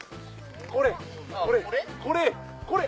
これこれこれこれ！